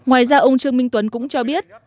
ngoài ra ông trương minh tuấn cũng cho biết